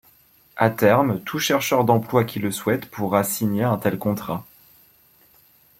À terme, tout chercheur d'emploi qui le souhaite pourra signer un tel contrat.